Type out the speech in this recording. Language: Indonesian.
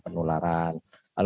penyelenggaraan pencegahan penularan